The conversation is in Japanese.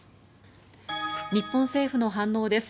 日本政府の反応です。